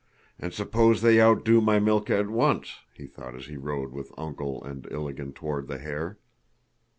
"And suppose they outdo my Mílka at once!" he thought as he rode with "Uncle" and Ilágin toward the hare.